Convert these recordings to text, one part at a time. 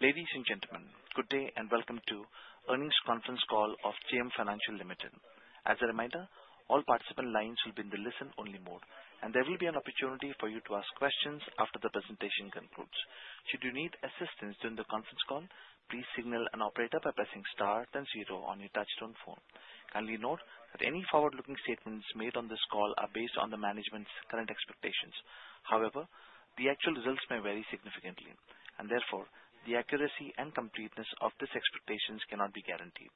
Ladies and gentlemen, good day and welcome to Earnings Conference Call of JM Financial Limited. As a reminder, all participant lines will be in the listen-only mode, and there will be an opportunity for you to ask questions after the presentation concludes. Should you need assistance during the conference call, please signal an operator by pressing star then zero on your touch-tone phone. Kindly note that any forward-looking statements made on this call are based on the management's current expectations. However, the actual results may vary significantly, and therefore the accuracy and completeness of these expectations cannot be guaranteed.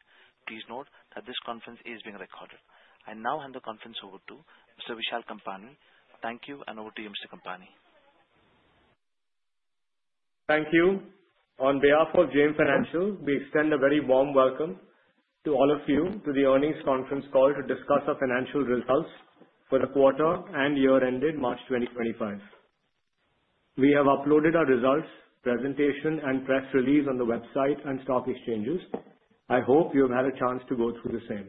Please note that this conference is being recorded. I now hand the conference over to Mr. Vishal Kampani. Thank you, and over to you, Mr. Kampani. Thank you. On behalf of JM Financial, we extend a very warm welcome to all of you to the Earnings Conference Call to discuss our financial results for the quarter and year-ending March 2025. We have uploaded our results, presentation, and press release on the website and stock exchanges. I hope you have had a chance to go through the same.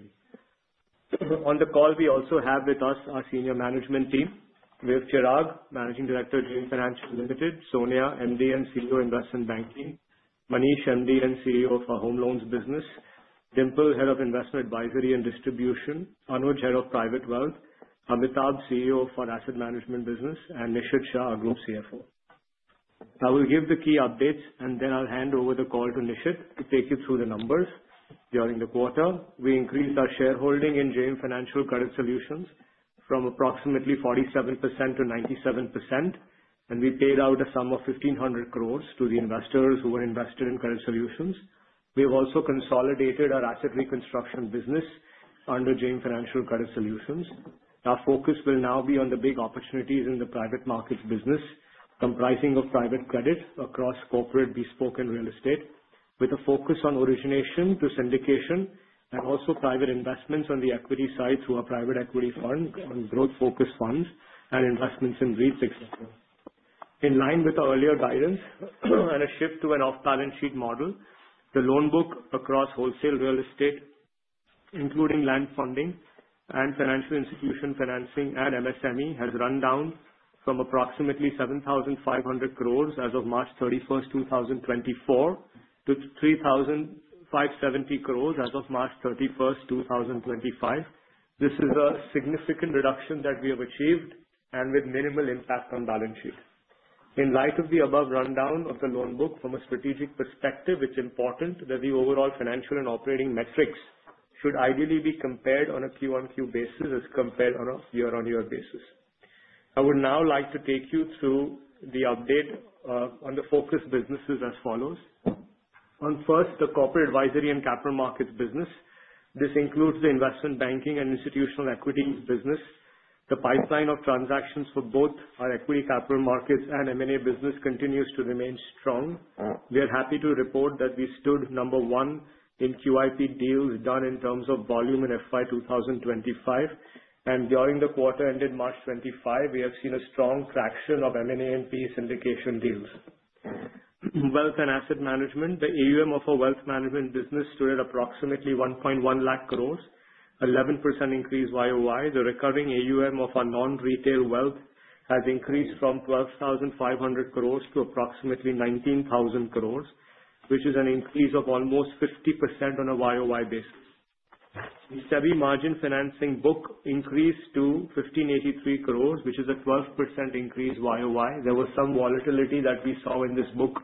On the call, we also have with us our senior management team. We have Chirag, Managing Director of JM Financial Limited, Sonia, MD and CEO of Investment Banking, Manish, MD and CEO of Home Loans Business, Dimple, Head of Investment Advisory and Distribution, Anuj, Head of Private Wealth, Amitabh, CEO of Asset Management Business, and Nishit Shah, Group CFO. I will give the key updates, and then I'll hand over the call to Nishith to take you through the numbers. During the quarter, we increased our shareholding in JM Financial Credit Solutions from approximately 47%-97%, and we paid out a sum of 1,500 crores to the investors who were invested in Credit Solutions. We have also consolidated our asset reconstruction business under JM Financial Credit Solutions. Our focus will now be on the big opportunities in the private markets business comprising of private credit across corporate bespoke and real estate, with a focus on origination to syndication and also private investments on the equity side through our private equity fund on growth-focused funds and investments in REITs, etc. In line with earlier guidance and a shift to an off-balance sheet model, the loan book across wholesale real estate, including land funding and financial institution financing at MSME, has run down from approximately 7,500 crores as of March 31st, 2024, to 3,570 crores as of March 31st, 2025. This is a significant reduction that we have achieved and with minimal impact on balance sheet. In light of the above rundown of the loan book, from a strategic perspective, it's important that the overall financial and operating metrics should ideally be compared on a Q-on-Q basis as compared on a year-on-year basis. I would now like to take you through the update on the focus businesses as follows. On first, the corporate advisory and capital markets business. This includes the investment banking and institutional equities business. The pipeline of transactions for both our equity capital markets and M&A business continues to remain strong. We are happy to report that we stood number one in QIP deals done in terms of volume in FY2025, and during the quarter-ended March 2025, we have seen a strong traction of M&A and PE syndication deals. Wealth and asset management, the AUM of our wealth management business stood at approximately 1.1 lakh crores, an 11% increase YoY. The recurring AUM of our non-retail wealth has increased from 12,500 crores to approximately 19,000 crores, which is an increase of almost 50% on a YoY basis. The margin financing book increased to 1,583 crores, which is a 12% increase YoY. There was some volatility that we saw in this book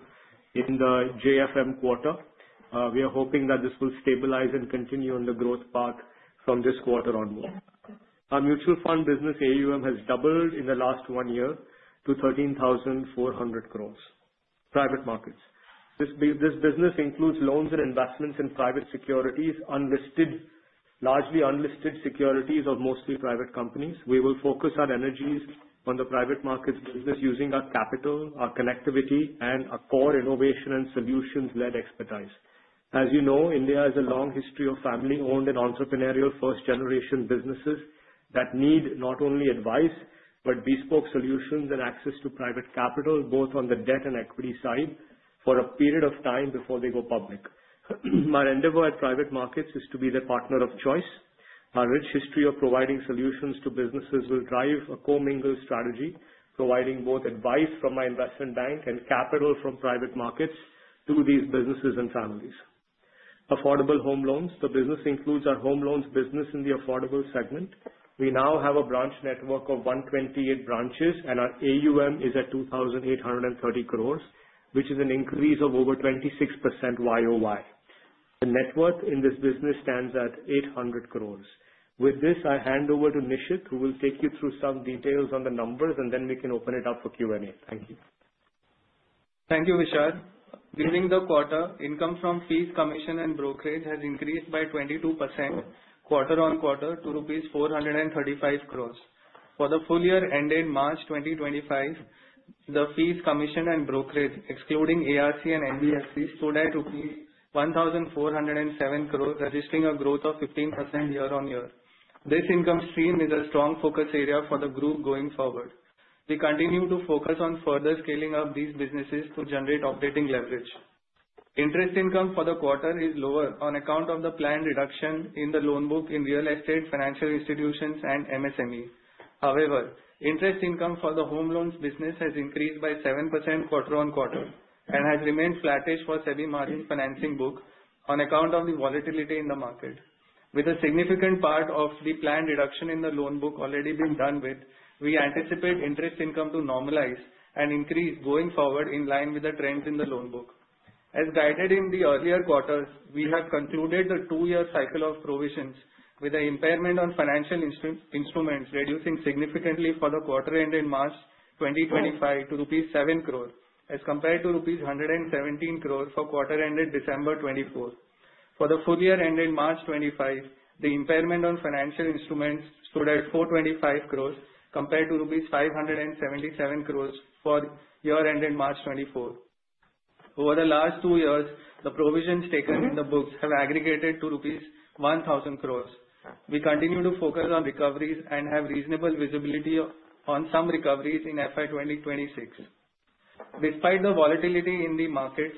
in the JFM quarter. We are hoping that this will stabilize and continue on the growth path from this quarter onward. Our mutual fund business AUM has doubled in the last one year to 13,400 crores. Private markets. This business includes loans and investments in private securities, largely unlisted securities of mostly private companies. We will focus our energies on the private markets business using our capital, our connectivity, and our core innovation and solutions-led expertise. As you know, India has a long history of family-owned and entrepreneurial first-generation businesses that need not only advice but bespoke solutions and access to private capital, both on the debt and equity side, for a period of time before they go public. My endeavor at private markets is to be their partner of choice. Our rich history of providing solutions to businesses will drive a co-mingled strategy, providing both advice from my investment bank and capital from private markets to these businesses and families. Affordable home loans, the business includes our home loans business in the affordable segment. We now have a branch network of 128 branches, and our AUM is at 2,830 crores, which is an increase of over 26% YoY. The net worth in this business stands at 800 crores. With this, I hand over to Nishit, who will take you through some details on the numbers, and then we can open it up for Q&A. Thank you. Thank you, Vishal. During the quarter, income from fees, commission, and brokerage has increased by 22% quarter-on-quarter to rupees 435 crores. For the full year-ended March 2025, the fees, commission, and brokerage, excluding ARC and NBFC, stood at 1,407 crores, registering a growth of 15% year-on-year. This income stream is a strong focus area for the group going forward. We continue to focus on further scaling up these businesses to generate operating leverage. Interest income for the quarter is lower on account of the planned reduction in the loan book in real estate financial institutions and MSME. However, interest income for the home loans business has increased by 7% quarter on quarter and has remained flattish for same margin financing book on account of the volatility in the market. With a significant part of the planned reduction in the loan book already being done with, we anticipate interest income to normalize and increase going forward in line with the trends in the loan book. As guided in the earlier quarters, we have concluded the two-year cycle of provisions with an impairment on financial instruments reducing significantly for the quarter-ended March 2025 to rupees 7 crore, as compared to rupees 117 crore for quarter-ended December 2024. For the full year-ended March 2025, the impairment on financial instruments stood at 425 crore, compared to rupees 577 crore for year-ended March 2024. Over the last two years, the provisions taken in the books have aggregated to rupees 1,000 crore. We continue to focus on recoveries and have reasonable visibility on some recoveries in FY2026. Despite the volatility in the markets,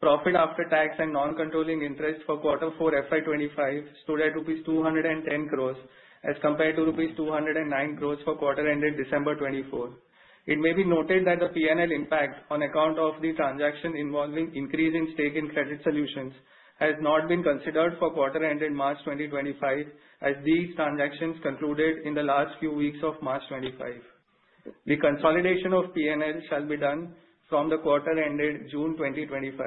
profit after tax and non-controlling interest for quarter four FY2025 stood at rupees 210 crore, as compared to rupees 209 crore for quarter-ended December 2024. It may be noted that the P&L impact on account of the transaction involving increase in stake in Credit Solutions has not been considered for quarter-ended March 2025, as these transactions concluded in the last few weeks of March 2025. The consolidation of P&L shall be done from the quarter-ended June 2025.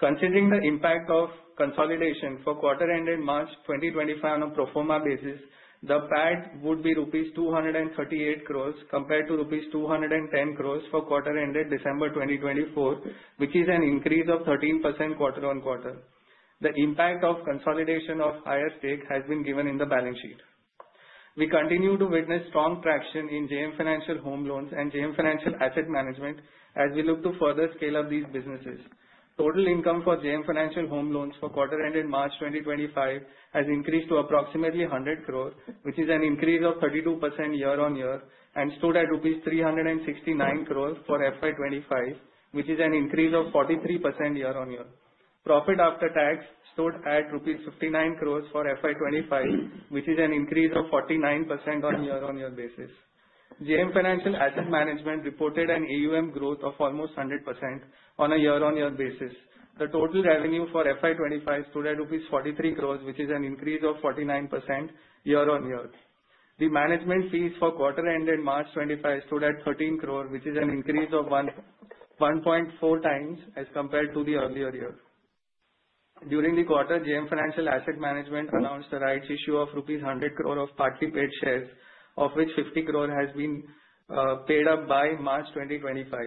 Considering the impact of consolidation for quarter-ended March 2025 on a pro forma basis, the PAT would be rupees 238 crore compared to rupees 210 crore for quarter-ended December 2024, which is an increase of 13% quarter-on-quarter. The impact of consolidation of higher stake has been given in the balance sheet. We continue to witness strong traction in JM Financial Home Loans and JM Financial Asset Management as we look to further scale up these businesses. Total income for JM Financial Home Loans for quarter-ended March 2025 has increased to approximately 100 crore, which is an increase of 32% year-on-year, and stood at rupees 369 crore for FY2025, which is an increase of 43% year-on-year. Profit after tax stood at rupees 59 crore for FY2025, which is an increase of 49% on a year-on-year basis. JM Financial Asset Management reported an AUM growth of almost 100% on a year-on-year basis. The total revenue for FY2025 stood at rupees 43 crore, which is an increase of 49% year-on-year. The management fees for quarter-ended March 2025 stood at 13 crore, which is an increase of 1.4 x as compared to the earlier year. During the quarter, JM Financial Asset Management announced the rights issue of rupees 100 crore of partly paid shares, of which 50 crore has been paid up by March 2025.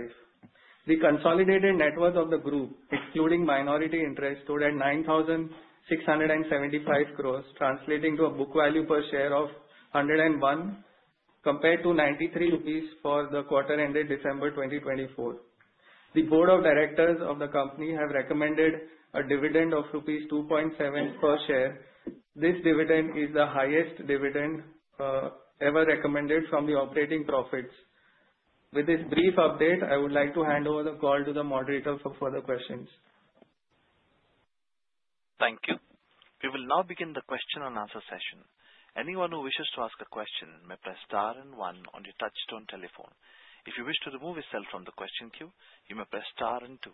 The consolidated net worth of the group, excluding minority interest, stood at 9,675 crore, translating to a book value per share of 101, compared to 93 rupees for the quarter-ended December 2024. The board of directors of the company have recommended a dividend of rupees 2.7 per share. This dividend is the highest dividend ever recommended from the operating profits. With this brief update, I would like to hand over the call to the moderator for further questions. Thank you. We will now begin the question and answer session. Anyone who wishes to ask a question may press star and one on your touch-tone telephone. If you wish to remove yourself from the question queue, you may press star and two.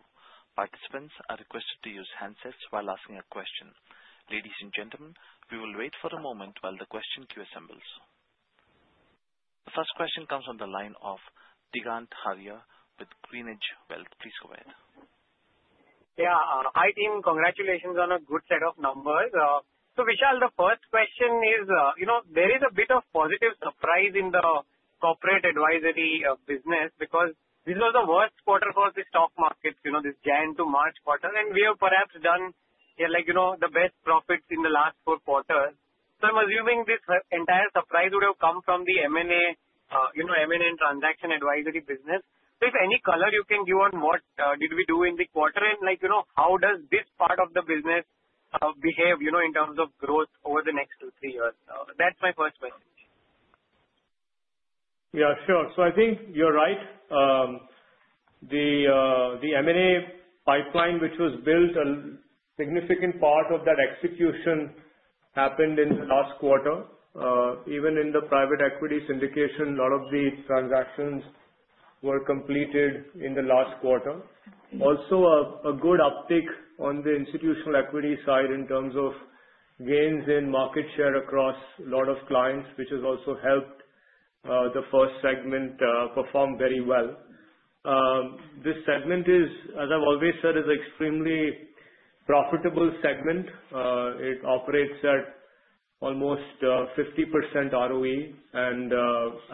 Participants are requested to use handsets while asking a question. Ladies and gentlemen, we will wait for a moment while the question queue assembles. The first question comes from the line of Digant Haria with GreenEdge Wealth. Please go ahead. Yeah, hi team. Congratulations on a good set of numbers. So Vishal, the first question is, you know, there is a bit of positive surprise in the corporate advisory business because this was the worst quarter for the stock markets, you know, this January to March quarter. And we have perhaps done, like, you know, the best profits in the last four quarters. So I'm assuming this entire surprise would have come from the M&A transaction advisory business. So if any color, you can give on what did we do in the quarter and, like, you know, how does this part of the business behave, you know, in terms of growth over the next two, three years? That's my first question. Yeah, sure. So I think you're right. The M&A pipeline, which was built a significant part of that execution, happened in the last quarter. Even in the private equity syndication, a lot of the transactions were completed in the last quarter. Also, a good uptick on the institutional equity side in terms of gains in market share across a lot of clients, which has also helped the first segment perform very well. This segment is, as I've always said, an extremely profitable segment. It operates at almost 50% ROE and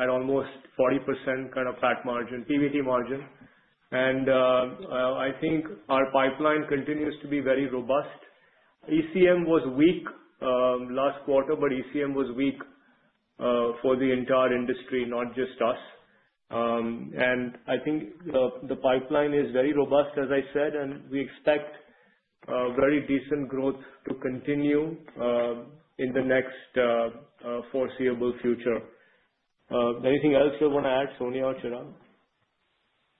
at almost 40% kind of PAT margin, PBT margin. And I think our pipeline continues to be very robust. ECM was weak last quarter, but ECM was weak for the entire industry, not just us. And I think the pipeline is very robust, as I said, and we expect very decent growth to continue in the next foreseeable future. Anything else you want to add, Sonia or Chirag?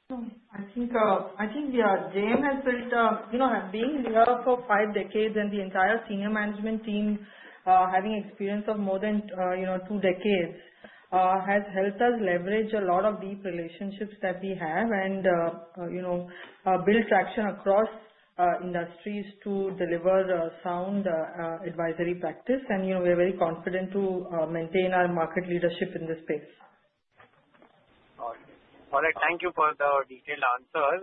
No, I think JM has built, you know, being here for five decades and the entire senior management team having experience of more than, you know, two decades has helped us leverage a lot of deep relationships that we have and, you know, build traction across industries to deliver sound advisory practice. And, you know, we are very confident to maintain our market leadership in this space. All right. Thank you for the detailed answers.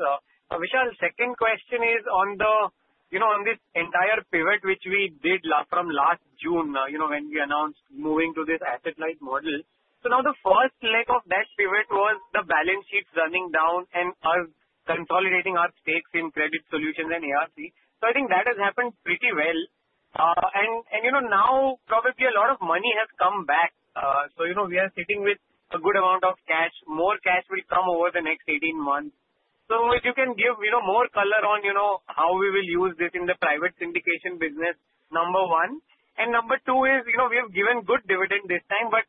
Vishal, second question is on the, you know, on this entire pivot which we did from last June, you know, when we announced moving to this asset-light model. So now the first leg of that pivot was the balance sheets running down and consolidating our stakes in Credit Solutions and ARC. So I think that has happened pretty well. And, you know, now probably a lot of money has come back. So, you know, we are sitting with a good amount of cash. More cash will come over the next 18 months. So if you can give, you know, more color on, you know, how we will use this in the private syndication business, number one. And number two is, you know, we have given good dividend this time, but,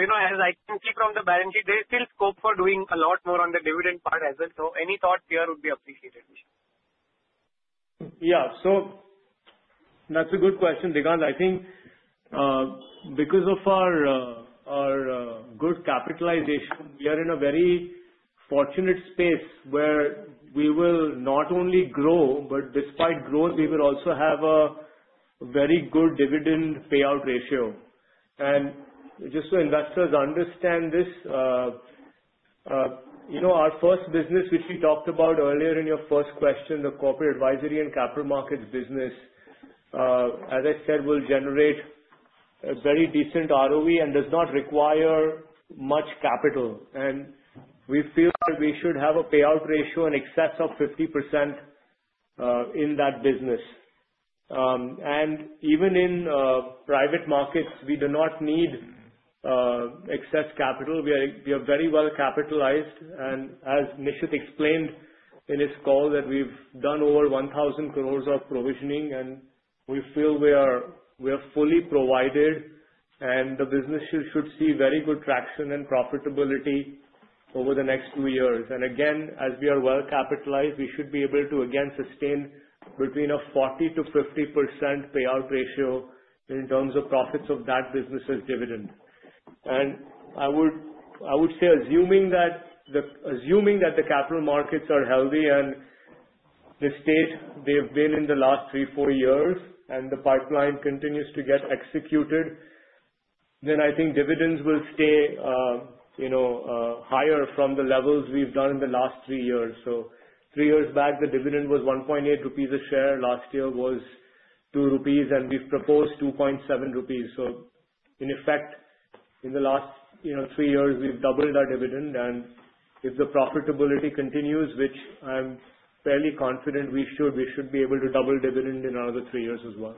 you know, as I can see from the balance sheet, there is still scope for doing a lot more on the dividend part as well, so any thoughts here would be appreciated, Vishal. Yeah, so that's a good question, Digant. I think because of our good capitalization, we are in a very fortunate space where we will not only grow, but despite growth, we will also have a very good dividend payout ratio. And just so investors understand this, you know, our first business, which we talked about earlier in your first question, the corporate advisory and capital markets business, as I said, will generate a very decent ROE and does not require much capital. And we feel that we should have a payout ratio in excess of 50% in that business. And even in private markets, we do not need excess capital. We are very well capitalized. And as Nishit explained in his call, that we've done over 1,000 crores of provisioning, and we feel we are fully provided. The business should see very good traction and profitability over the next two years. Again, as we are well capitalized, we should be able to, again, sustain between a 40%-50% payout ratio in terms of profits of that business's dividend. I would say, assuming that the capital markets are healthy and the state they've been in the last three, four years, and the pipeline continues to get executed, then I think dividends will stay, you know, higher from the levels we've done in the last three years. Three years back, the dividend was 1.8 rupees a share. Last year was 2 rupees, and we've proposed 2.7 rupees. In effect, in the last three years, we've doubled our dividend. If the profitability continues, which I'm fairly confident we should, we should be able to double dividend in another three years as well.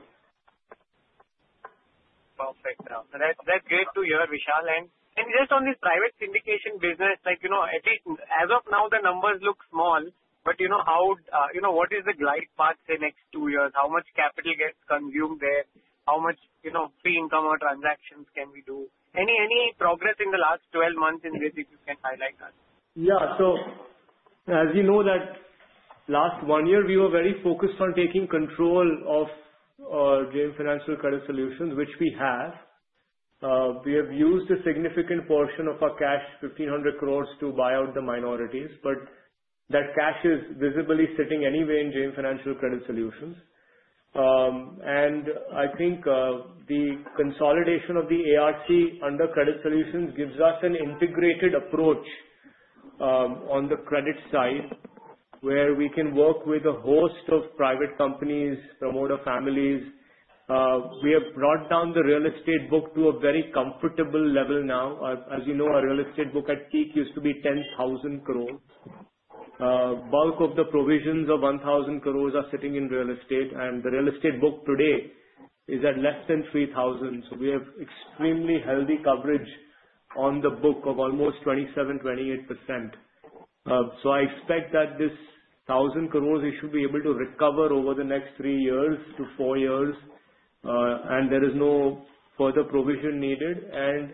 Perfect. That's great to hear, Vishal. And just on this private syndication business, like, you know, at least as of now, the numbers look small, but, you know, how, you know, what is the glide path the next two years? How much capital gets consumed there? How much, you know, free income or transactions can we do? Any progress in the last 12 months in this if you can highlight that? Yeah, so as you know, that last one year, we were very focused on taking control of JM Financial Credit Solutions, which we have. We have used a significant portion of our cash, 1,500 crores, to buy out the minorities. But that cash is visibly sitting anyway in JM Financial Credit Solutions. And I think the consolidation of the ARC under Credit Solutions gives us an integrated approach on the credit side where we can work with a host of private companies, promoter families. We have brought down the real estate book to a very comfortable level now. As you know, our real estate book at peak used to be 10,000 crores. Bulk of the provisions of 1,000 crores are sitting in real estate. And the real estate book today is at less than 3,000 crores. So we have extremely healthy coverage on the book of almost 27%-28%. I expect that this 1,000 crores we should be able to recover over the next three years to four years. And there is no further provision needed. And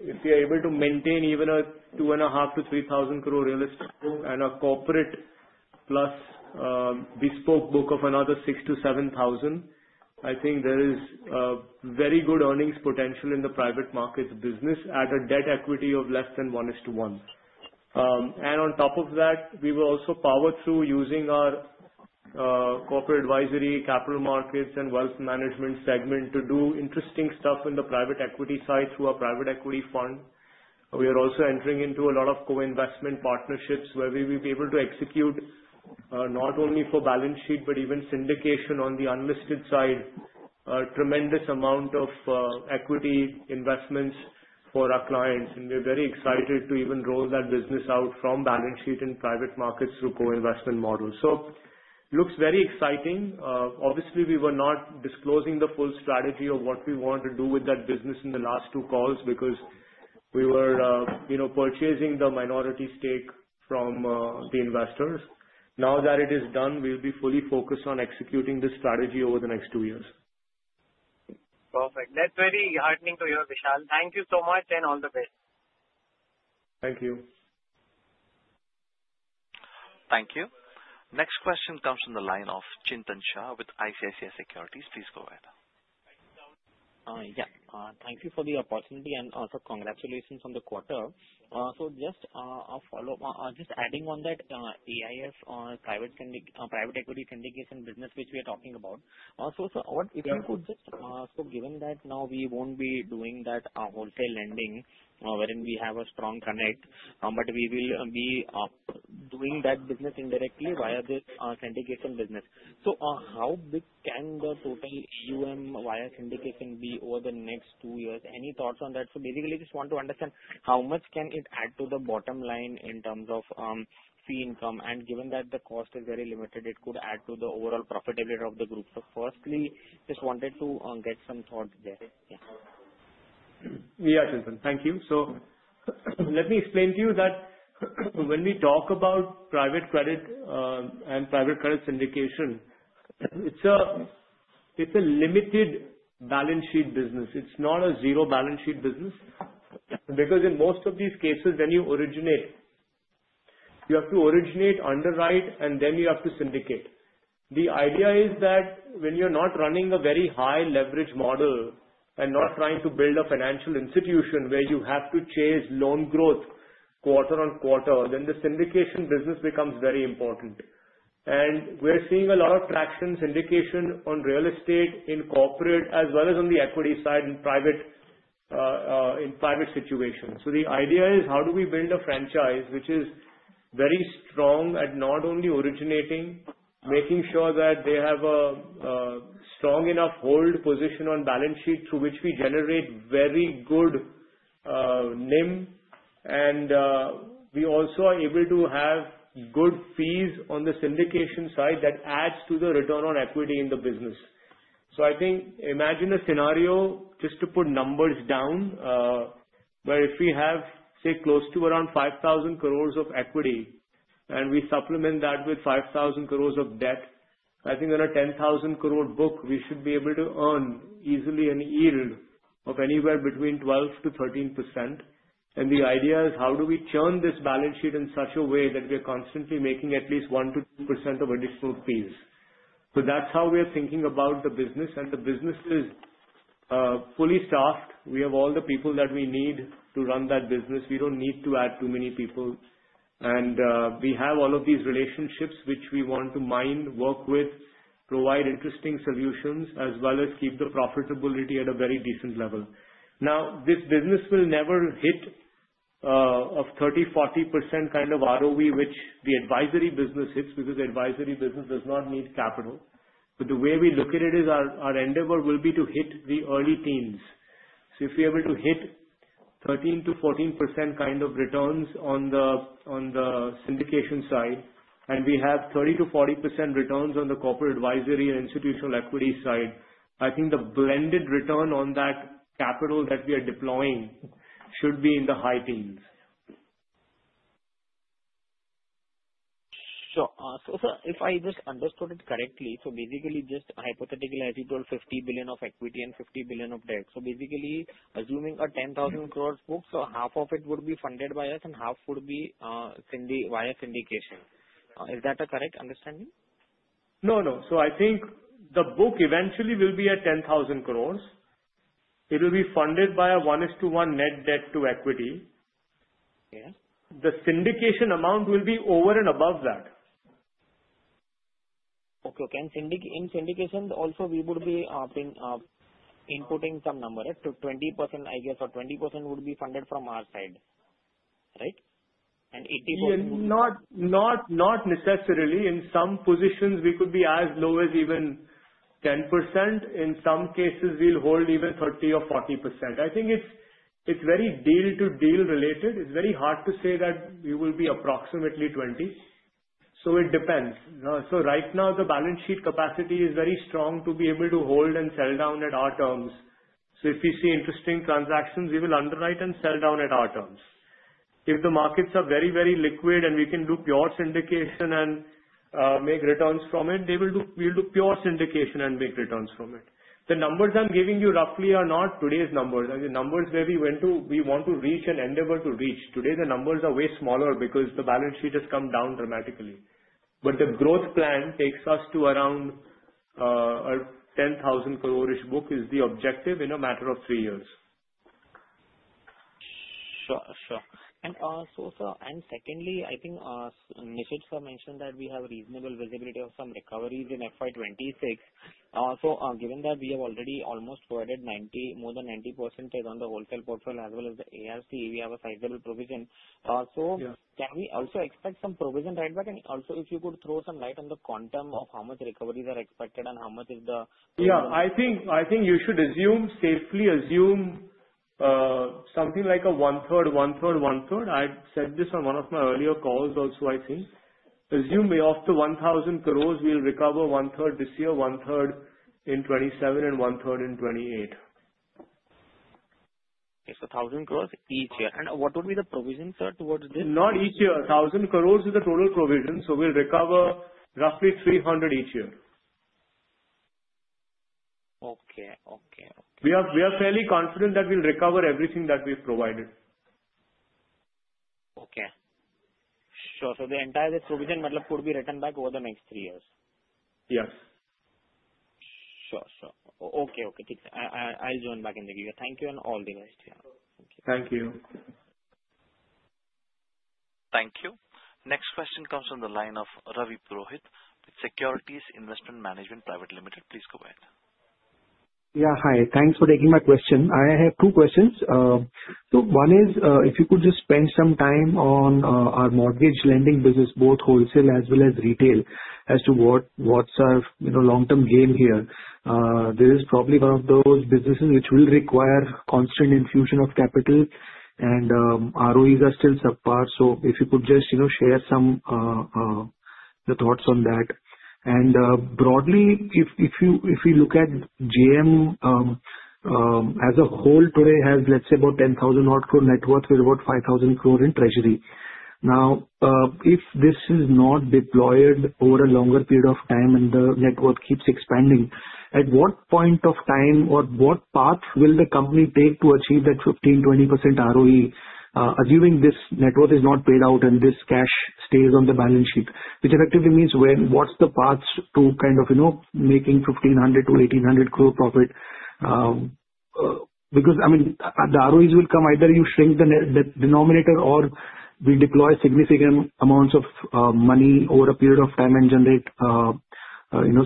if you're able to maintain even a 2,500-3,000 crore real estate book and a corporate plus bespoke book of another 6,000-7,000, I think there is very good earnings potential in the private markets business at a debt equity of less than 1:1. And on top of that, we were also power through using our corporate advisory, capital markets, and wealth management segment to do interesting stuff in the private equity side through our private equity fund. We are also entering into a lot of co-investment partnerships where we will be able to execute not only for balance sheet, but even syndication on the unlisted side, tremendous amount of equity investments for our clients. We're very excited to even roll that business out from balance sheet and private markets through co-investment models. It looks very exciting. Obviously, we were not disclosing the full strategy of what we want to do with that business in the last two calls because we were, you know, purchasing the minority stake from the investors. Now that it is done, we'll be fully focused on executing this strategy over the next two years. Perfect. That's very heartening to hear, Vishal. Thank you so much and all the best. Thank you. Thank you. Next question comes from the line of Chintan Shah with ICICI Securities. Please go ahead. Yeah, thank you for the opportunity and also congratulations on the quarter. So just a follow-up, just adding on that IB's or private equity syndication business, which we are talking about. So what if you could just, so given that now we won't be doing that wholesale lending wherein we have a strong connect, but we will be doing that business indirectly via this syndication business. So how big can the total AUM via syndication be over the next two years? Any thoughts on that? So basically, I just want to understand how much can it add to the bottom line in terms of fee income? And given that the cost is very limited, it could add to the overall profitability of the group. So firstly, just wanted to get some thoughts there. Yeah. Yeah, Chintan, thank you. So let me explain to you that when we talk about private credit and private credit syndication, it's a limited balance sheet business. It's not a zero balance sheet business because in most of these cases, when you originate, you have to underwrite, and then you have to syndicate. The idea is that when you're not running a very high leverage model and not trying to build a financial institution where you have to chase loan growth quarter on quarter, then the syndication business becomes very important. And we're seeing a lot of traction syndication on real estate in corporate as well as on the equity side in private situations. The idea is how do we build a franchise which is very strong at not only originating, making sure that they have a strong enough hold position on balance sheet through which we generate very good NIM. We also are able to have good fees on the syndication side that adds to the return on equity in the business. Imagine a scenario, just to put numbers down, where if we have, say, close to around 5,000 crores of equity and we supplement that with 5,000 crores of debt. On a 10,000 crore book, we should be able to earn easily a yield of anywhere between 12%-13%. The idea is how do we churn this balance sheet in such a way that we are constantly making at least 1%-2% of additional fees. So that's how we are thinking about the business. And the business is fully staffed. We have all the people that we need to run that business. We don't need to add too many people. And we have all of these relationships which we want to mine, work with, provide interesting solutions, as well as keep the profitability at a very decent level. Now, this business will never hit a 30%, 40% kind of ROE which the advisory business hits because the advisory business does not need capital. But the way we look at it is our endeavor will be to hit the early teens. So if we are able to hit 13%-14% kind of returns on the syndication side and we have 30%-40% returns on the corporate advisory and institutional equity side, I think the blended return on that capital that we are deploying should be in the high teens. Sure. So if I just understood it correctly, so basically just hypothetically, as you told, 50 billion of equity and 50 billion of debt. So basically, assuming a 10,000 crores book, so half of it would be funded by us and half would be via syndication. Is that a correct understanding? No, no. So I think the book eventually will be at 10,000 crores. It will be funded by a 1:1 net debt to equity. The syndication amount will be over and above that. Okay, okay. And in syndication, also we would be inputting some number, right? So 20%, I guess, or 20% would be funded from our side, right? And 80%. Not necessarily. In some positions, we could be as low as even 10%. In some cases, we'll hold even 30% or 40%. I think it's very deal-to-deal related. It's very hard to say that we will be approximately 20%. So it depends. So right now, the balance sheet capacity is very strong to be able to hold and sell down at our terms. So if we see interesting transactions, we will underwrite and sell down at our terms. If the markets are very, very liquid and we can do pure syndication and make returns from it, we'll do pure syndication and make returns from it. The numbers I'm giving you roughly are not today's numbers. The numbers where we want to reach and endeavor to reach. Today, the numbers are way smaller because the balance sheet has come down dramatically. But the growth plan takes us to around a 10,000 crore-ish book is the objective in a matter of three years. Sure, sure. And secondly, I think Nishit Sir mentioned that we have reasonable visibility of some recoveries in FY2026. So given that we have already almost provided more than 90% on the wholesale portfolio as well as the ARC, we have a sizable provision. So can we also expect some provision right back? And also, if you could throw some light on the quantum of how much recoveries are expected and how much is the. Yeah, I think you should safely assume something like a one-third, one-third, one-third. I said this on one of my earlier calls also, I think. Assume off the 1,000 crores, we'll recover one-third this year, one-third in 2027, and one-third in 2028. Okay, so 1,000 crores each year. And what would be the provision, Sir, towards this? Not each year. 1,000 crores is the total provision. So we'll recover roughly 300 each year. Okay, okay, okay. We are fairly confident that we'll recover everything that we've provided. Okay. Sure. So the entire provision could be returned back over the next three years? Yes. Sure, sure. Okay, okay. I'll join back in the video. Thank you and all the best. Thank you. Thank you. Next question comes from the line of Ravi Purohit with Securities Investment Management Private Limited. Please go ahead. Yeah, hi. Thanks for taking my question. I have two questions. So one is if you could just spend some time on our mortgage lending business, both wholesale as well as retail, as to what's our long-term game here. This is probably one of those businesses which will require constant infusion of capital, and ROEs are still subpar. So if you could just share some thoughts on that. And broadly, if we look at JM as a whole today has, let's say, about 10,000 odd crore net worth with about 5,000 crore in treasury. Now, if this is not deployed over a longer period of time and the net worth keeps expanding, at what point of time or what path will the company take to achieve that 15%-20% ROE, assuming this net worth is not paid out and this cash stays on the balance sheet? Which effectively means what's the path to kind of making 1,500-1,800 crore profit? Because, I mean, the ROEs will come either you shrink the denominator or we deploy significant amounts of money over a period of time and generate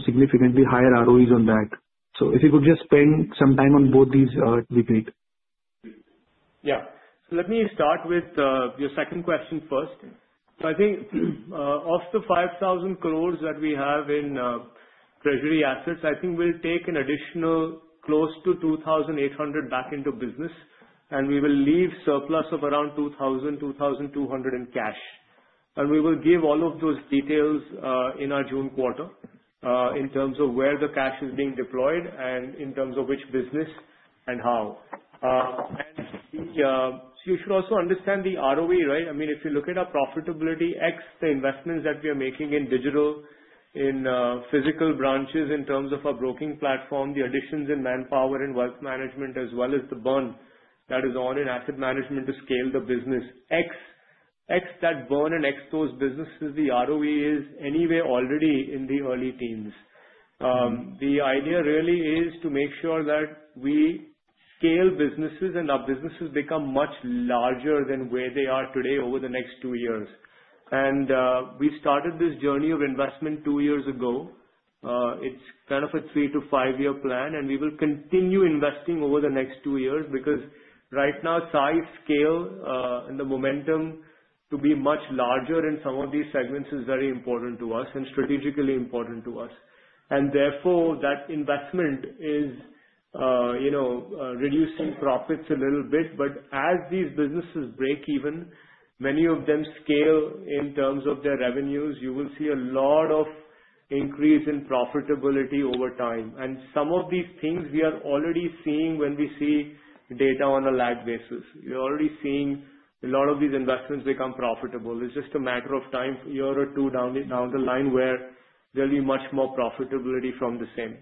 significantly higher ROEs on that. So if you could just spend some time on both these, it would be great. Yeah. So let me start with your second question first. So I think of the 5,000 crores that we have in treasury assets, I think we'll take an additional close to 2,800 back into business, and we will leave a surplus of around 2,000-2,200 in cash. And we will give all of those details in our June quarter in terms of where the cash is being deployed and in terms of which business and how. And you should also understand the ROE, right? I mean, if you look at our profitability ex the investments that we are making in digital, in physical branches in terms of our broking platform, the additions in manpower and wealth management, as well as the burn that is on in asset management to scale the business, ex that burn and ex those businesses, the ROE is anyway already in the early teens. The idea really is to make sure that we scale businesses and our businesses become much larger than where they are today over the next two years. And we started this journey of investment two years ago. It's kind of a three to five-year plan, and we will continue investing over the next two years because right now, size, scale, and the momentum to be much larger in some of these segments is very important to us and strategically important to us. And therefore, that investment is reducing profits a little bit. But as these businesses break even, many of them scale in terms of their revenues, you will see a lot of increase in profitability over time. And some of these things we are already seeing when we see data on a lag basis. We are already seeing a lot of these investments become profitable. It's just a matter of time, a year or two down the line, where there'll be much more profitability from the same.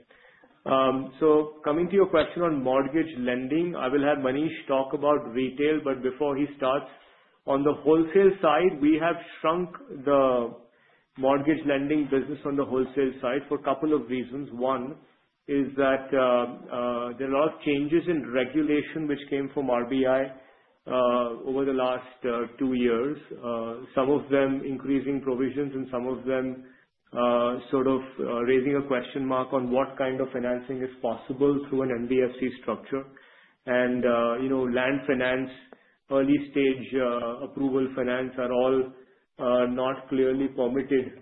So coming to your question on mortgage lending, I will have Manish talk about retail, but before he starts, on the wholesale side, we have shrunk the mortgage lending business on the wholesale side for a couple of reasons. One is that there are a lot of changes in regulation which came from RBI over the last two years, some of them increasing provisions and some of them sort of raising a question mark on what kind of financing is possible through an NBFC structure. And land finance, early stage approval finance are all not clearly permitted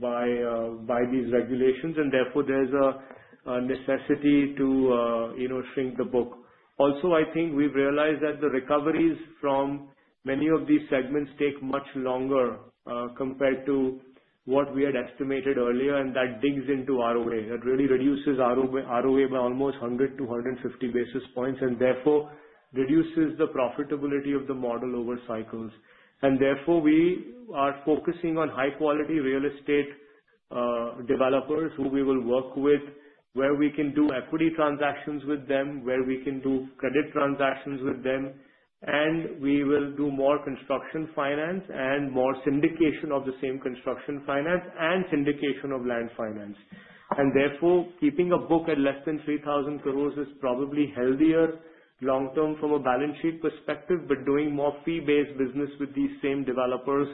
by these regulations, and therefore, there's a necessity to shrink the book. Also, I think we've realized that the recoveries from many of these segments take much longer compared to what we had estimated earlier, and that digs into ROA. That really reduces ROA by almost 100-150 basis points and therefore reduces the profitability of the model over cycles. And therefore, we are focusing on high-quality real estate developers who we will work with, where we can do equity transactions with them, where we can do credit transactions with them, and we will do more construction finance and more syndication of the same construction finance and syndication of land finance. And therefore, keeping a book at less than 3,000 crores is probably healthier long-term from a balance sheet perspective, but doing more fee-based business with these same developers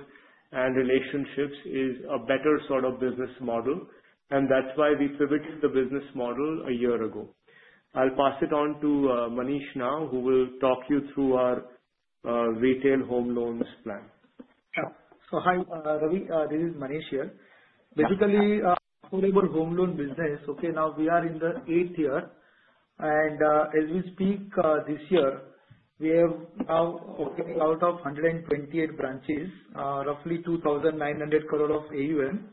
and relationships is a better sort of business model. And that's why we pivoted the business model a year ago. I'll pass it on to Manish now, who will talk you through our retail home loans plan. Sure. So hi, Ravi. This is Manish here. Basically, affordable home loan business, okay, now we are in the eighth year. And as we speak this year, we have now opening out of 128 branches, roughly 2,900 crore of AUM.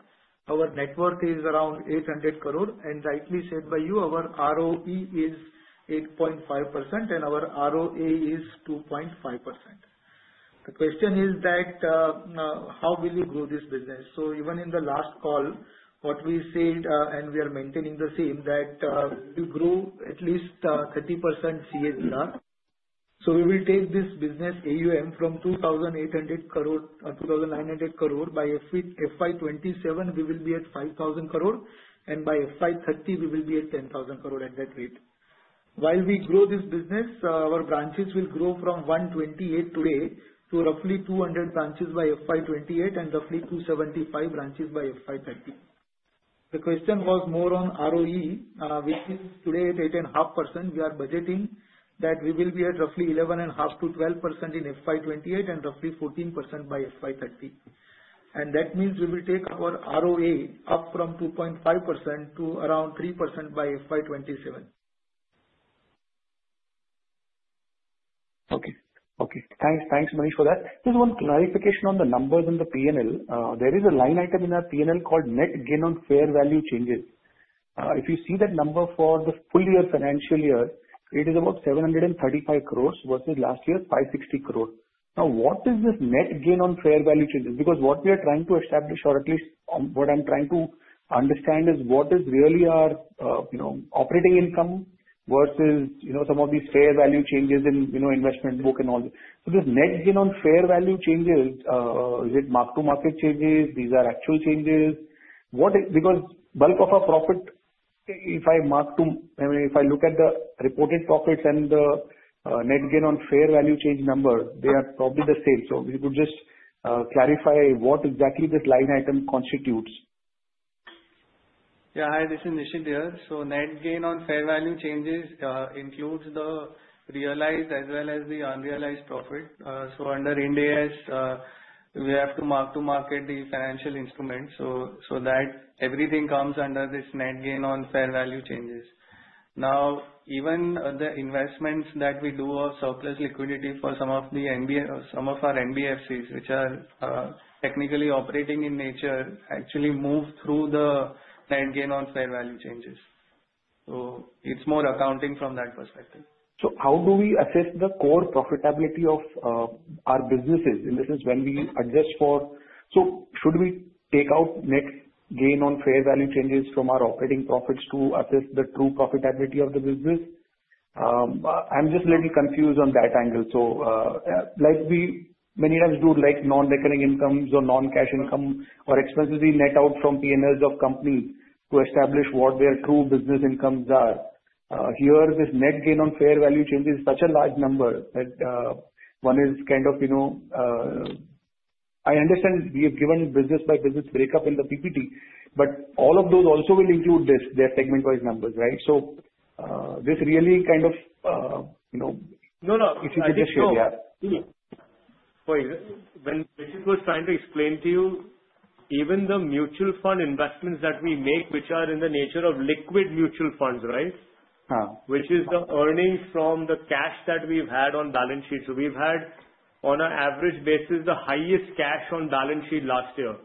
Our net worth is around 800 crore. And rightly said by you, our ROE is 8.5% and our ROA is 2.5%. The question is that how will you grow this business? So even in the last call, what we said and we are maintaining the same that we grow at least 30% CAGR. So we will take this business AUM from 2,800 crore to 2,900 crore. By FY2027, we will be at 5,000 crore, and by FY220030, we will be at 10,000 crore at that rate. While we grow this business, our branches will grow from 128 today to roughly 200 branches by FY28 and roughly 275 branches by FY2030. The question was more on ROE, which is today at 8.5%. We are budgeting that we will be at roughly 11.5%-12% in FY2028 and roughly 14% by FY2030, and that means we will take our ROA up from 2.5% to around 3% by FY2027. Okay, okay. Thanks, Manish, for that. Just one clarification on the numbers in the P&L. There is a line item in our P&L called Net Gain on Fair Value Changes. If you see that number for the full year financial year, it is about 735 crores versus last year's 560 crore. Now, what is this Net Gain on Fair Value Changes? Because what we are trying to establish, or at least what I'm trying to understand, is what is really our operating income versus some of these fair value changes in investment book and all this. So this Net Gain on Fair Value Changes, is it mark-to-market changes? These are actual changes. Because bulk of our profit, if I look at the reported profits and the Net Gain on Fair Value Change number, they are probably the same. So if you could just clarify what exactly this line item constitutes. Yeah, hi. This is Nishit here. So net gain on fair value changes includes the realized as well as the unrealized profit. So under Ind AS, we have to mark-to-market the financial instrument so that everything comes under this net gain on fair value changes. Now, even the investments that we do of surplus liquidity for some of our NBFCs, which are technically operating in nature, actually move through the net gain on fair value changes. So it's more accounting from that perspective. How do we assess the core profitability of our businesses? In the sense when we adjust for, so should we take out Net Gain on Fair Value Changes from our operating profits to assess the true profitability of the business? I'm just a little confused on that angle. So many times do non-recurring incomes or non-cash income or expenses be net out from P&Ls of companies to establish what their true business incomes are? Here, this Net Gain on Fair Value Changes is such a large number that one is kind of. I understand we have given business by business breakup in the PPT, but all of those also will include their segment-wise numbers, right? So this really kind of. No, no. If you could just show me. No, no. Nishit was trying to explain to you, even the mutual fund investments that we make, which are in the nature of liquid mutual funds, right? Huh. Which is the earnings from the cash that we've had on balance sheet. So we've had, on an average basis, the highest cash on balance sheet last year.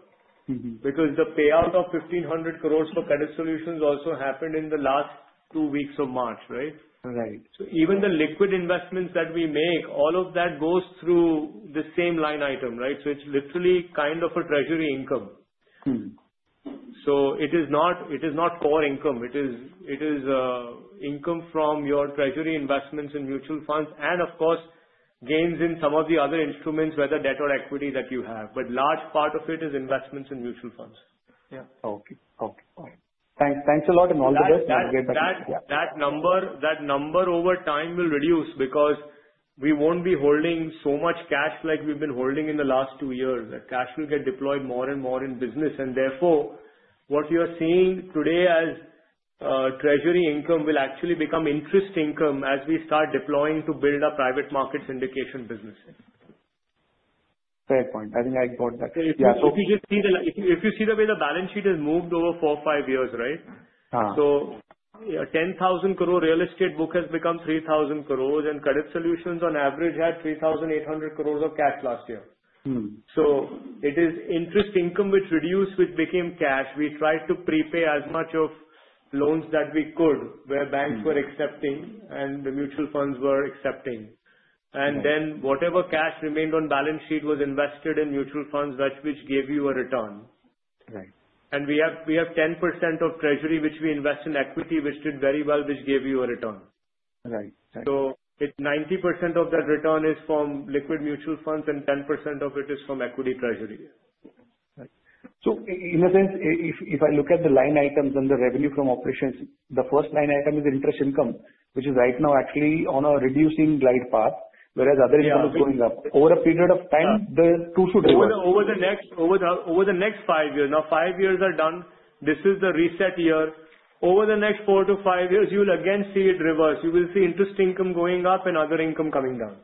Because the payout of 1,500 crores for Credit Solutions also happened in the last two weeks of March, right? Right. So even the liquid investments that we make, all of that goes through the same line item, right? So it's literally kind of a treasury income. So it is not core income. It is income from your treasury investments in mutual funds and, of course, gains in some of the other instruments, whether debt or equity that you have. But a large part of it is investments in mutual funds. Yeah. Okay, okay. All right. Thanks a lot and all the best. That number over time will reduce because we won't be holding so much cash like we've been holding in the last two years. The cash will get deployed more and more in business. And therefore, what you are seeing today as treasury income will actually become interest income as we start deploying to build a private market syndication business. Fair point. I think I got that. Yeah. So if you see the way the balance sheet has moved over four, five years, right? So 10,000 crore real estate book has become 3,000 crore, and Credit Solutions on average had 3,800 crore of cash last year. So it is interest income which reduced, which became cash. We tried to prepay as much of loans that we could where banks were accepting and the mutual funds were accepting. And then whatever cash remained on balance sheet was invested in mutual funds, which gave you a return. And we have 10% of treasury which we invest in equity, which did very well, which gave you a return. Right, right. 90% of that return is from liquid mutual funds and 10% of it is from equity treasury. Right. So in a sense, if I look at the line items and the revenue from operations, the first line item is interest income, which is right now actually on a reducing glide path, whereas other income is going up. Over a period of time, the two should reverse. Over the next five years. Now, five years are done. This is the reset year. Over the next four to five years, you will again see it reverse. You will see interest income going up and other income coming down.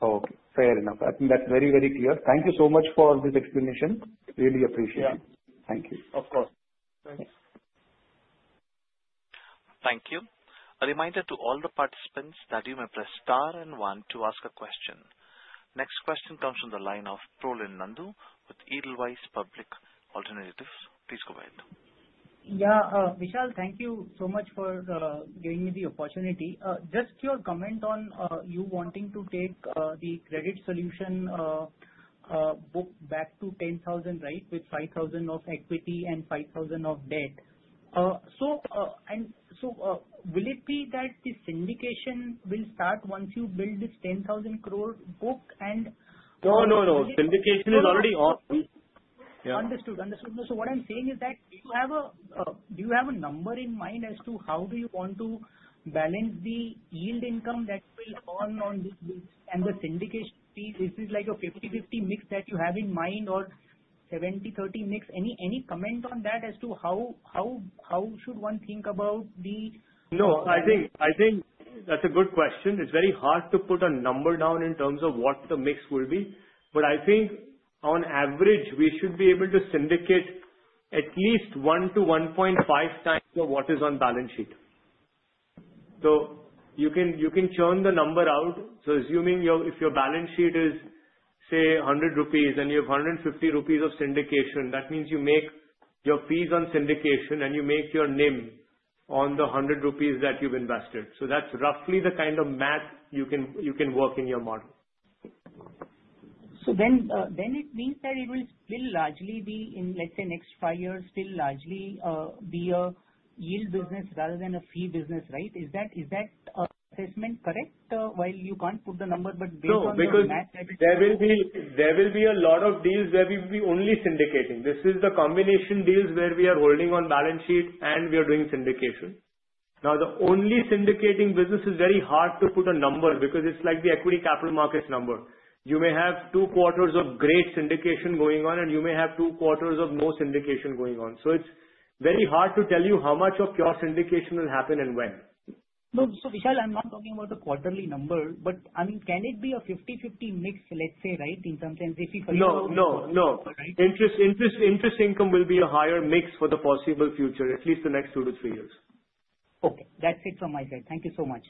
Okay. Fair enough. I think that's very, very clear. Thank you so much for this explanation. Really appreciate it. Yeah. Thank you. Of course. Thanks. Thank you. A reminder to all the participants that you may press star and one to ask a question. Next question comes from the line of Prolin Nandu with Edelweiss Alternatives. Please go ahead. Yeah. Vishal, thank you so much for giving me the opportunity. Just your comment on you wanting to take the Credit Solution book back to 10,000, right, with 5,000 of equity and 5,000 of debt. So will it be that the syndication will start once you build this 10,000 crore book and? No, no, no. Syndication is already on. Understood. Understood. So what I'm saying is that do you have a number in mind as to how do you want to balance the yield income that will earn on this? And the syndication, this is like a 50/50 mix that you have in mind or 70/30 mix? Any comment on that as to how should one think about the? No, I think that's a good question. It's very hard to put a number down in terms of what the mix will be. But I think on average, we should be able to syndicate at least one to 1.5 x of what is on balance sheet. So you can churn the number out. So assuming if your balance sheet is, say, 100 rupees and you have 150 rupees of syndication, that means you make your fees on syndication and you make your NIM on the 100 rupees that you've invested. So that's roughly the kind of math you can work in your model. So then it means that it will largely be in, let's say, next five years, still largely be a yield business rather than a fee business, right? Is that assessment correct, while you can't put the number, but based on the math that it will be? No, because there will be a lot of deals where we will be only syndicating. This is the combination deals where we are holding on balance sheet and we are doing syndication. Now, the only syndicating business is very hard to put a number because it's like the equity capital markets number. You may have two quarters of great syndication going on and you may have two quarters of no syndication going on. So it's very hard to tell you how much of pure syndication will happen and when. No, so Vishal, I'm not talking about a quarterly number, but I mean, can it be a 50/50 mix, let's say, right, in some sense if we consider? No, no, no. Interest income will be a higher mix for the possible future, at least the next two to three years. Okay. That's it from my side. Thank you so much.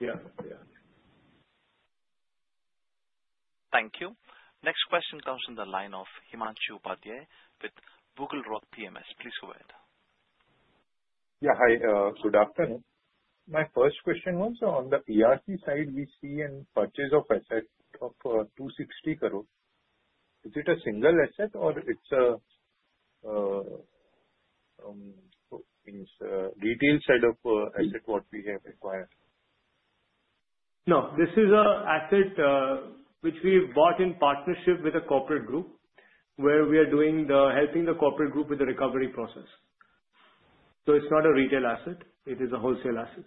Yeah, yeah. Thank you. Next question comes from the line of Himanshu Upadhyay with BugleRock Capital. Please go ahead. Yeah, hi. Good afternoon. My first question was on the PRC side. We see a purchase of asset of 260 crore. Is it a single asset or it's a retail set of asset what we have acquired? No, this is an asset which we bought in partnership with a corporate group where we are helping the corporate group with the recovery process. So it's not a retail asset. It is a wholesale asset.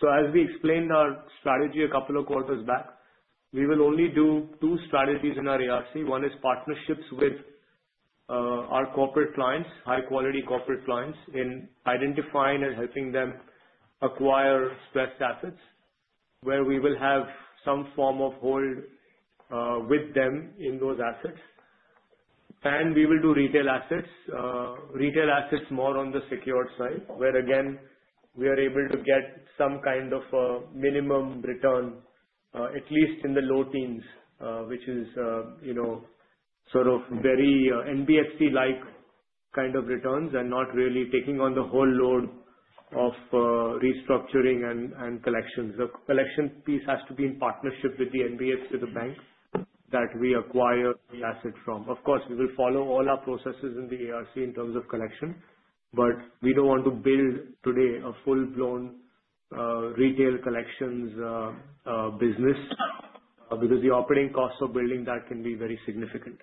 So as we explained our strategy a couple of quarters back, we will only do two strategies in our ARC. One is partnerships with our corporate clients, high-quality corporate clients, in identifying and helping them acquire stressed assets where we will have some form of hold with them in those assets. And we will do retail assets, retail assets more on the secured side where again, we are able to get some kind of minimum return, at least in the low teens, which is sort of very NBFC-like kind of returns and not really taking on the whole load of restructuring and collections. The collection piece has to be in partnership with the NBFC, the bank that we acquire the asset from. Of course, we will follow all our processes in the ERC in terms of collection, but we don't want to build today a full-blown retail collections business because the operating costs of building that can be very significant.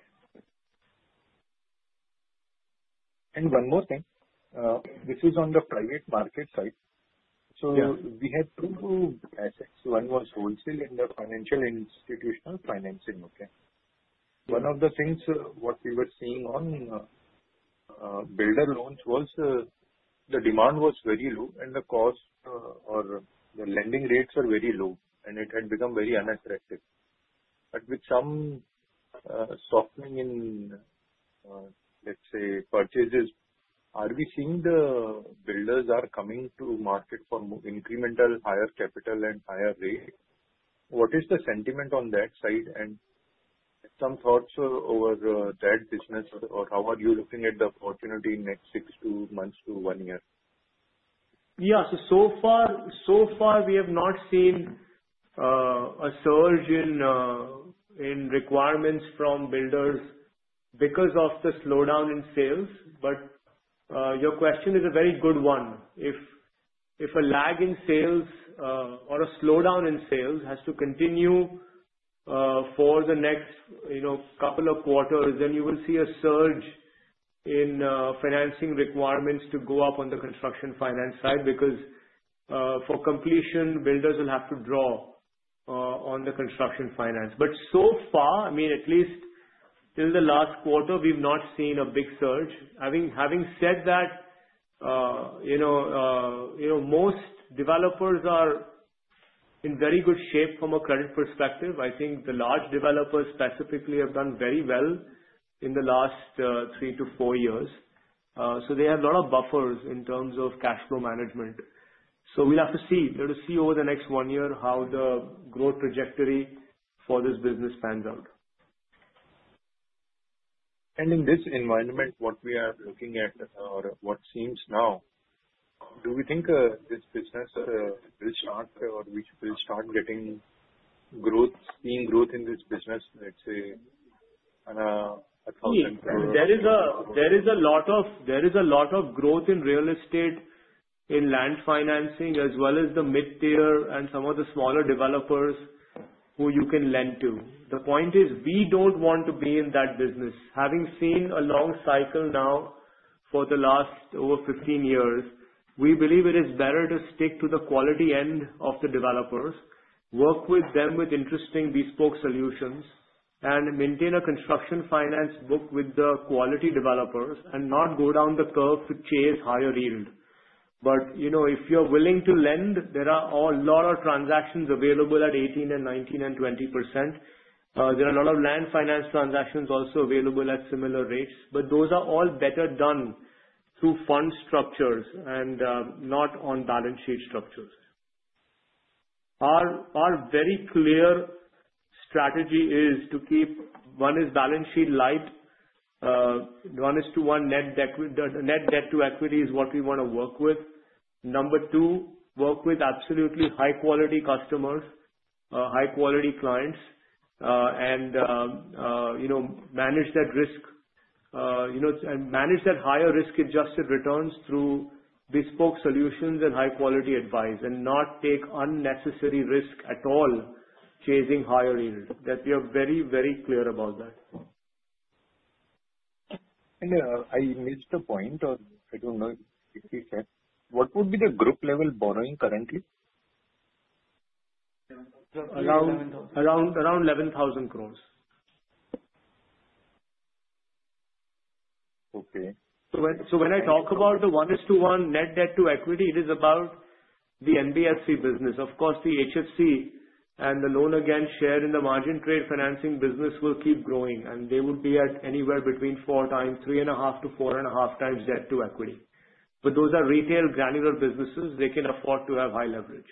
One more thing. This is on the private market side. We had two assets. One was wholesale and the financial institutional financing, okay? One of the things what we were seeing on builder loans was the demand was very low and the cost or the lending rates are very low and it had become very unattractive. With some softening in, let's say, purchases, are we seeing the builders are coming to market for incremental higher capital and higher rate? What is the sentiment on that side and some thoughts over that business or how are you looking at the opportunity in next six months to one year? Yeah, so far, we have not seen a surge in requirements from builders because of the slowdown in sales, but your question is a very good one. If a lag in sales or a slowdown in sales has to continue for the next couple of quarters, then you will see a surge in financing requirements to go up on the construction finance side because for completion, builders will have to draw on the construction finance, but so far, I mean, at least till the last quarter, we've not seen a big surge. Having said that, most developers are in very good shape from a credit perspective. I think the large developers specifically have done very well in the last three to four years, so they have a lot of buffers in terms of cash flow management, so we'll have to see. We'll have to see over the next one year how the growth trajectory for this business pans out. In this environment, what we are looking at or what seems now, do we think this business will start or which will start getting growth, seeing growth in this business, let's say, on a 1,000 crore? There is a lot of growth in real estate, in land financing, as well as the mid-tier and some of the smaller developers who you can lend to. The point is we don't want to be in that business. Having seen a long cycle now for the last over 15 years, we believe it is better to stick to the quality end of the developers, work with them with interesting bespoke solutions, and maintain a construction finance book with the quality developers and not go down the curve to chase higher yield. But if you're willing to lend, there are a lot of transactions available at 18%, 19%, and 20%. There are a lot of land finance transactions also available at similar rates, but those are all better done through fund structures and not on balance sheet structures. Our very clear strategy is to keep our balance sheet light. One-to-one net debt to equity is what we want to work with. Number two, work with absolutely high-quality customers, high-quality clients, and manage that risk and manage that higher risk-adjusted returns through bespoke solutions and high-quality advice and not take unnecessary risk at all chasing higher yield. That we are very, very clear about that. I missed a point, or I don't know if you said. What would be the group level borrowing currently? Around INR 11,000 crores. Okay. When I talk about the one-to-one net debt to equity, it is about the NBFC business. Of course, the HFC and the loan against share in the margin trade financing business will keep growing, and they would be at anywhere between four times, three and a half to four and a half times debt to equity. But those are retail granular businesses. They can afford to have high leverage.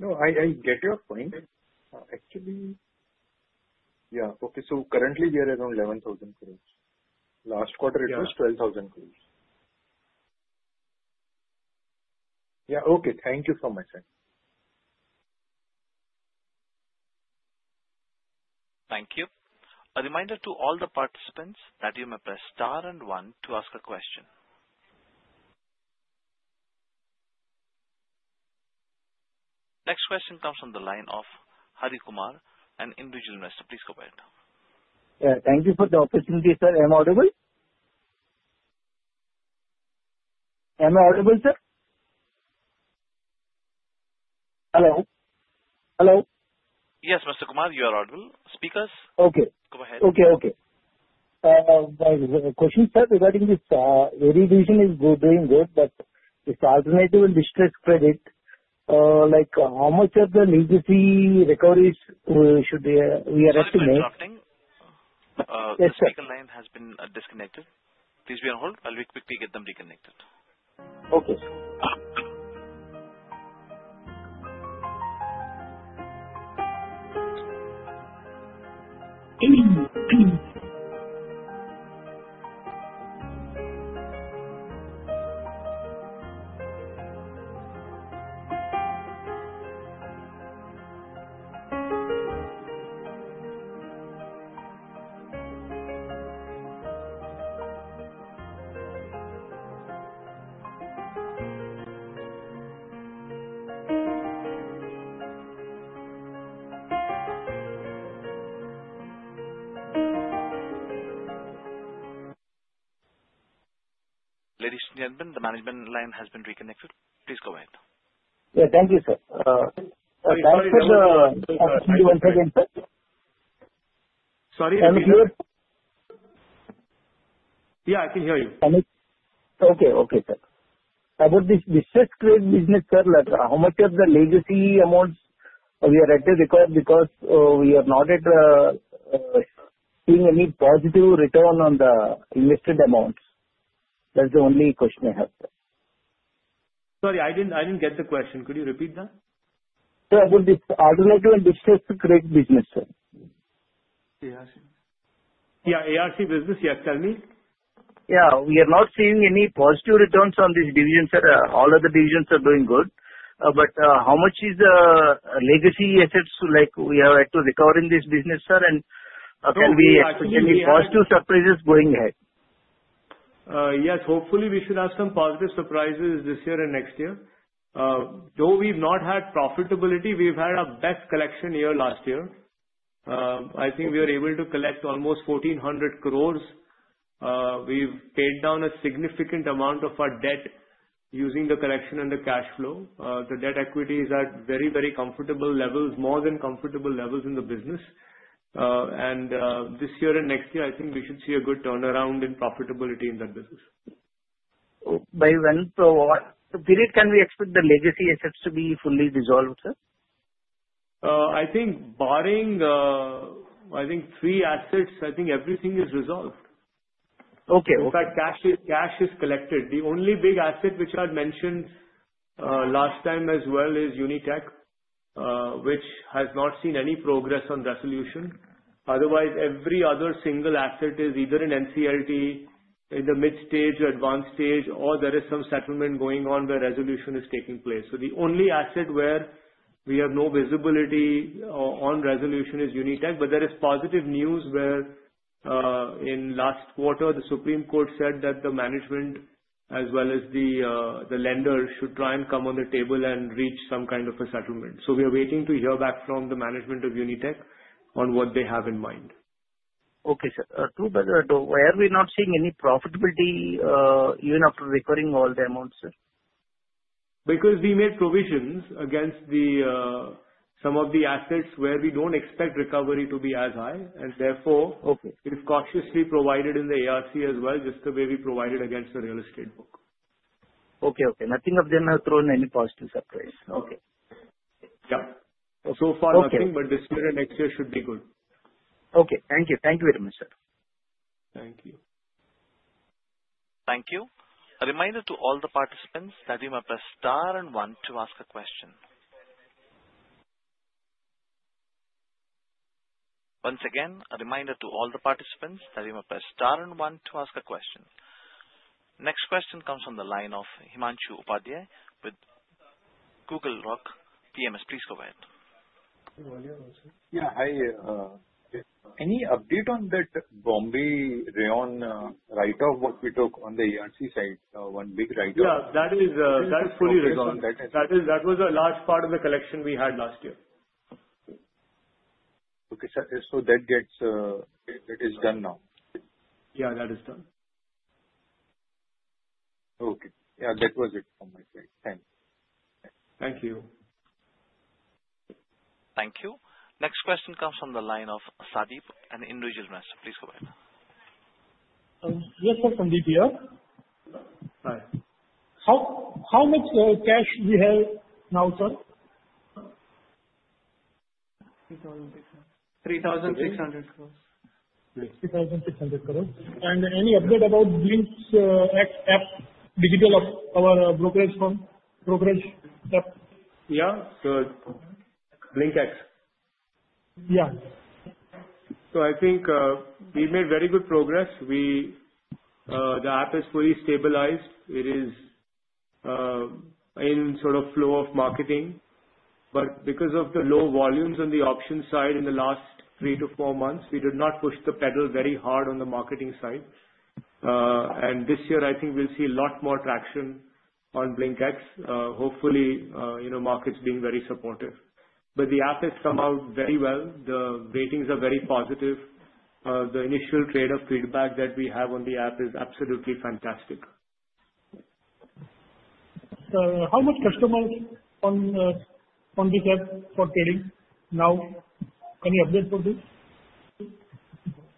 No, I get your point. Actually, yeah. Okay. So currently, we are around 11,000 crores. Last quarter, it was 12,000 crores. Yeah. Okay. Thank you so much, sir. Thank you. A reminder to all the participants that you may press star and one to ask a question. Next question comes from the line of Harikumar, an individual investor. Please go ahead. Yeah. Thank you for the opportunity, sir. Am I audible? Am I audible, sir? Hello? Hello? Yes, Mr. Kumar, you are audible. Speakers. Okay. Go ahead. Okay, okay. My question, sir, regarding this AM division is doing good, but this alternative and distressed credit, how much of the legacy recoveries should we estimate? Second line has been disconnected. Please be on hold. I'll quickly get them reconnected. Okay. Ladies and gentlemen, the management line has been reconnected. Please go ahead. Yeah. Thank you, sir. Thanks for the question. Once again, sir. Sorry? Can you hear? Yeah, I can hear you. Okay, sir. About this distressed credit business, sir, how much of the legacy amounts we are at risk because we are not seeing any positive return on the invested amounts? That's the only question I have, sir. Sorry, I didn't get the question. Could you repeat that? Sir, about this alternative and distressed credit business, sir. Yeah, ARC business, yes. Tell me. Yeah. We are not seeing any positive returns on this division, sir. All other divisions are doing good, but how much is the legacy assets like we have had to recover in this business, sir, and can we expect any positive surprises going ahead? Yes. Hopefully, we should have some positive surprises this year and next year. Though we've not had profitability, we've had our best collection year last year. I think we were able to collect almost 1,400 crores. We've paid down a significant amount of our debt using the collection and the cash flow. The debt equities are very, very comfortable levels, more than comfortable levels in the business. And this year and next year, I think we should see a good turnaround in profitability in that business. By when? So what period can we expect the legacy assets to be fully dissolved, sir? I think borrowing, I think three assets, I think everything is resolved. Okay. Okay. In fact, cash is collected. The only big asset which I had mentioned last time as well is Unitech, which has not seen any progress on resolution. Otherwise, every other single asset is either in NCLT, in the mid-stage or advanced stage, or there is some settlement going on where resolution is taking place. So the only asset where we have no visibility on resolution is Unitech. But there is positive news where in last quarter, the Supreme Court said that the management as well as the lender should try and come on the table and reach some kind of a settlement. So we are waiting to hear back from the management of Unitech on what they have in mind. Okay, sir. Too bad that we are not seeing any profitability even after recovering all the amounts, sir. Because we made provisions against some of the assets where we don't expect recovery to be as high, and therefore, we've cautiously provided in the ARC as well, just the way we provided against the real estate book. Okay, okay. Nothing of them has thrown any positive surprise. Okay. Yeah. So far, nothing, but this year and next year should be good. Okay. Thank you. Thank you very much, sir. Thank you. Thank you. A reminder to all the participants that you may press star and one to ask a question. Once again, a reminder to all the participants that you may press star and one to ask a question. Next question comes from the line of Himanshu Upadhyay with BugleRock, PMS. Please go ahead. Yeah. Any update on that Bombay Rayon write-off what we took on the ARC side? One big write-off. Yeah. That is fully resolved. That was a large part of the collection we had last year. Okay. So that is done now? Yeah, that is done. Okay. Yeah. That was it from my side. Thanks. Thank you. Thank you. Next question comes from the line of Sandeep, an individual investor. Please go ahead. Yes, sir. Sandeep here. Hi. How much cash do we have now, sir? 3,600 crores. 3,600 crores. And any update about BlinkX app, digital arm our brokerage firm? Brokerage app? Yeah. So BlinkX. Yeah. I think we've made very good progress. The app is fully stabilized. It is in sort of flow of marketing. But because of the low volumes on the options side in the last three-to-four months, we did not push the pedal very hard on the marketing side. And this year, I think we'll see a lot more traction on BlinkX, hopefully, markets being very supportive. But the app has come out very well. The ratings are very positive. The initial trader feedback that we have on the app is absolutely fantastic. So how much customers on this app for trading now? Any update for this?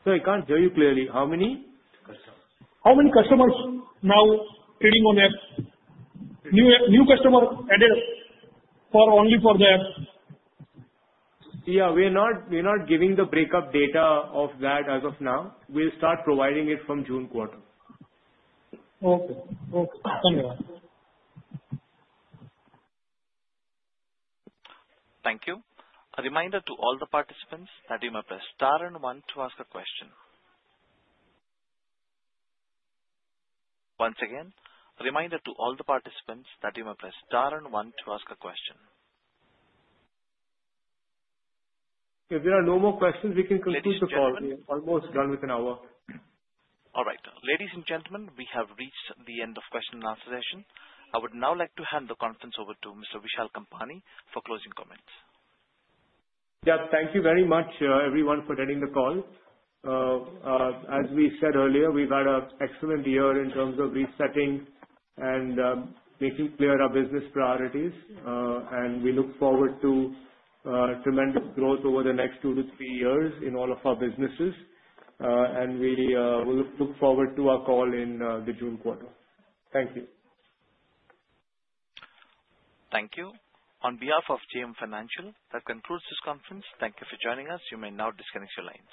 Sir, I can't hear you clearly. How many? How many customers now trading on the app? New customer added only for the app? Yeah. We're not giving the breakup data of that as of now. We'll start providing it from June quarter. Okay. Okay. Thank you. Thank you. A reminder to all the participants that you may press star and one to ask a question. Once again, a reminder to all the participants that you may press star and one to ask a question. If there are no more questions, we can conclude the call. Almost done with an hour. All right. Ladies and gentlemen, we have reached the end of question and answer session. I would now like to hand the conference over to Mr. Vishal Kampani for closing comments. Yeah. Thank you very much, everyone, for attending the call. As we said earlier, we've had an excellent year in terms of resetting and making clear our business priorities. And we look forward to tremendous growth over the next two to three years in all of our businesses. And we look forward to our call in the June quarter. Thank you. Thank you. On behalf of JM Financial, that concludes this conference. Thank you for joining us. You may now disconnect your lines.